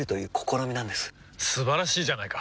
素晴らしいじゃないか！